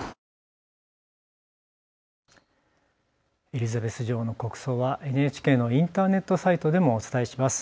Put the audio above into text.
エリザベス女王の国葬はＮＨＫのインターネットサイトでもお伝えします。